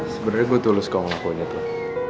sebenarnya gue tulus kalau ngelakuinnya toh